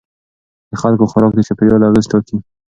د خلکو خوراک د چاپیریال اغېز ټاکي.